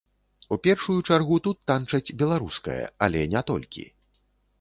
У першую чаргу тут танчаць беларускае, але не толькі.